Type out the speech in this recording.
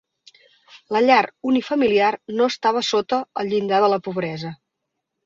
La llar unifamiliar no estava sota el llindar de la pobresa.